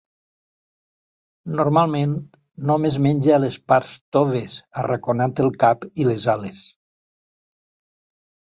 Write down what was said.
Normalment només menja les parts toves, arraconant el cap i les ales.